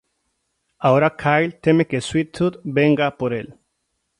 Ahora Kyle teme que Sweet Tooth venga por el.